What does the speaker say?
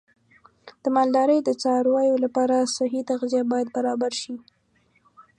د مالدارۍ د څارویو لپاره صحي تغذیه باید برابر شي.